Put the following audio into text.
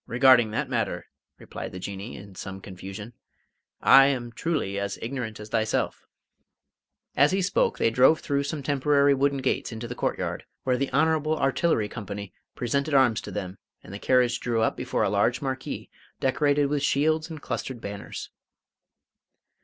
"Regarding that matter," replied the Jinnee, in some confusion, "I am truly as ignorant as thyself." As he spoke they drove through some temporary wooden gates into the courtyard, where the Honourable Artillery Company presented arms to them, and the carriage drew up before a large marquee decorated with shields and clustered banners.